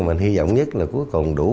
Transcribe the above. mình hy vọng nhất là cuối cùng đủ